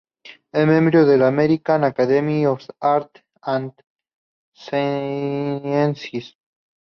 Es miembro de la American Academy of Arts and Sciences.